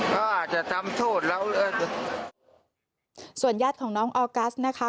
ก็อาจจะทำโทษแล้วส่วนญาติของน้องออกัสนะคะ